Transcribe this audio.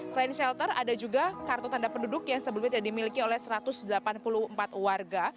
selain shelter ada juga kartu tanda penduduk yang sebelumnya tidak dimiliki oleh satu ratus delapan puluh empat warga